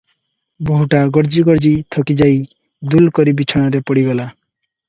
ବୋହୂଟା ଗର୍ଜି ଗର୍ଜି ଥକି ଯାଇ ଦୁଲକରି ବିଛଣାରେ ପଡିଗଲା ।